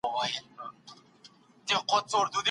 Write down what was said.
د مشورې پرته کورنی ژوند ښه پر مخ نه ځي.